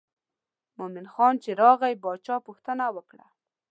مومن خان چې راغی باچا پوښتنه وکړه.